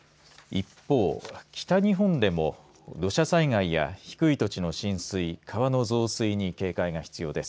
一方、北日本でも土砂災害や低い土地の浸水川の増水に警戒が必要です。